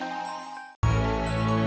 pasar kaget mau ke warung